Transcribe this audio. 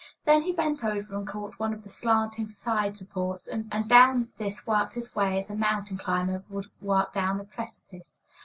Then he bent over and caught one of the slanting side supports, and down this worked his way as a mountain climber would work down a precipice.